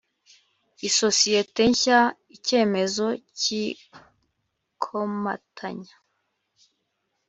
isosiyete nshya icyemezo cy ikomatanya